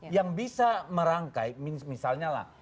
yang bisa merangkai misalnya lah